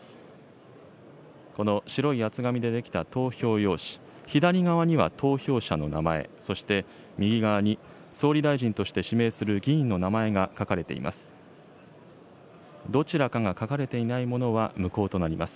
この白い厚紙で出来た投票用紙、左側には投票者の名前、そして、右側に総理大臣として指名する議員の名前が書かれています。